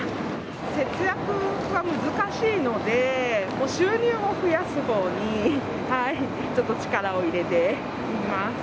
節約は難しいので、収入を増やすほうにちょっと力を入れています。